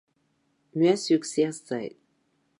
Мҩасҩык сиазҵааит.